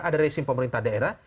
ada resim pemerintah daerah